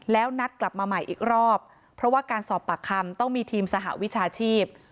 แล้วนัดกลับมาใหม่อีกรอบเพราะว่าการสอบปากคำต้องมีทีมสหวิชาชีพ